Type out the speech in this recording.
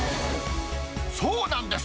そうなんです。